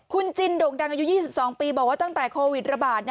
คุณจินโด่งดังอายุ๒๒ปีบอกว่าตั้งแต่โควิดระบาด